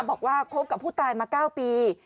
บอกว่าคบกับผู้ตายมา๙ปี